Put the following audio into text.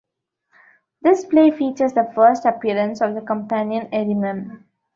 This play features the first appearance of the companion Erimem.